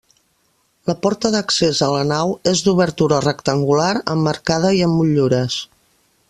La porta d'accés a la nau és d'obertura rectangular emmarcada i amb motllures.